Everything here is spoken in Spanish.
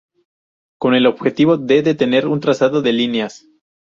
Con el objetivo de detener un trazado de líneas: